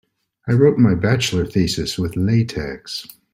I wrote my bachelor thesis with latex.